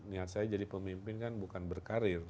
niat saya jadi pemimpin kan bukan berkarir